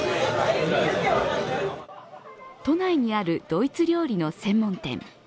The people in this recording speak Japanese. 都内にあるドイツ料理の専門店。